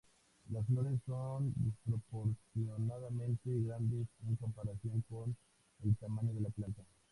Las flores son desproporcionadamente grandes en comparación con el tamaño de la planta.